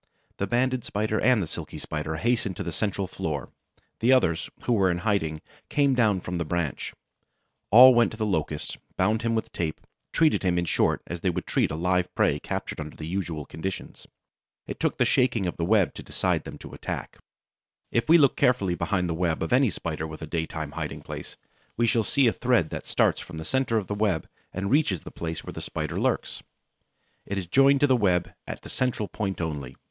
The Banded Spider and the Silky Spider hastened to the central floor, the others, who were in hiding, came down from the branch; all went to the Locust, bound him with tape, treated him, in short, as they would treat a live prey captured under the usual conditions. It took the shaking of the web to decide them to attack. If we look carefully behind the web of any Spider with a daytime hiding place, we shall see a thread that starts from the center of the web and reaches the place where the Spider lurks. It is joined to the web at the central point only.